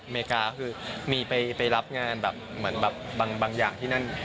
อเมริกาคือมีไปรับงานแบบบางอย่างที่นั่น